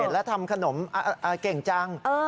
แล้วทำขนมเก่งจัง